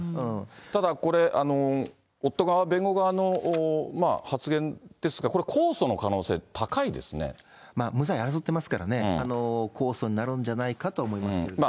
ただ、これ、夫側、弁護側の発言ですが、これ、無罪争ってますからね、控訴になるんじゃないかと思いますけれども。